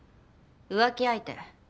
浮気相手。